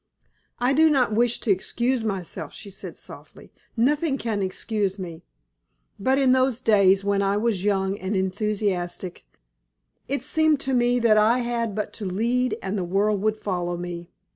"I do not wish to excuse myself," she said, softly; "nothing can excuse me. But in those days, when I was young and enthusiastic, it seemed to me that I had but to lead and the world would follow me.